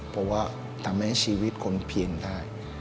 เพราะว่าทำให้ชีวิตคนเปลี่ยนได้